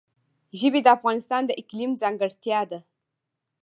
ژبې د افغانستان د اقلیم ځانګړتیا ده.